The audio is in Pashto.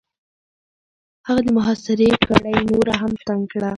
هغه د محاصرې کړۍ نوره هم تنګ کړه.